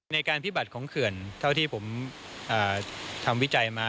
ในการพิบัติของเขื่อนเท่าที่ผมทำวิจัยมา